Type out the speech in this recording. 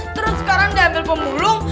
terus sekarang diambil pemulung